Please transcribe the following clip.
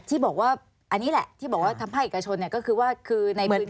ที่บอกว่าอันนี้แหละที่บอกว่าทำให้ภาคเอกชนเนี่ยก็คือว่าคือในพื้นที่